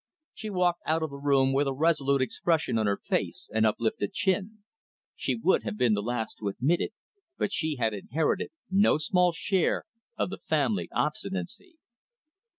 She walked out of the room, with a resolute expression on her face, and uplifted chin. She would have been the last to admit it, but she had inherited no small share of the family obstinacy.